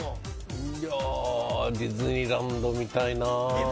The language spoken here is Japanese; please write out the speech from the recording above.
ディズニーランド見たいな。